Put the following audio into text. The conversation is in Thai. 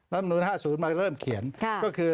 รัฐมนุษย์๕๐มาเริ่มเขียนก็คือ